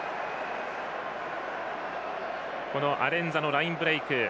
アレンザのラインブレーク。